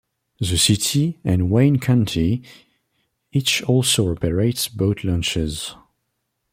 The city and Wayne County each also operate boat launches.